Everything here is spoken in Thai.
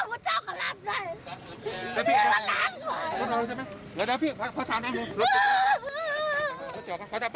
อ้อมด้วยก็ด้วย